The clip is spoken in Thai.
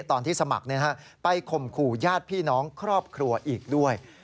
ตอนที่สมัครไปข่มขู่ญาติพี่น้องครอบครัวอีกด้วย